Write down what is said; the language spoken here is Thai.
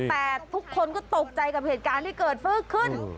แต่ทุกคนก็ตกใจกับเหตุการณ์ที่เกิดขึ้น